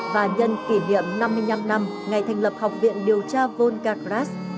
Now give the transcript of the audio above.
và nhân kỷ niệm năm mươi năm năm ngày thành lập học viện điều tra volkaras